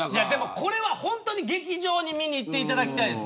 これは本当に劇場に見に行っていただきたいです。